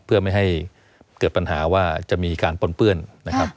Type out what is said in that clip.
เพื่อไม่ให้เกิดปัญหาว่าจะมีการปนเปื้อนนะครับ